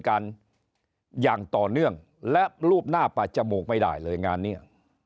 กันอย่างต่อเนื่องและรูปหน้าปัดจมูกไม่ได้เลยงานเนี้ย